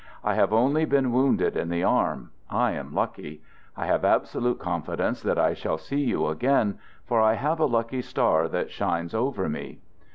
I have only been wounded in the arm. I am lucky. I have absolute confidence that I shall see you again, for I have a lucky star that shines over me.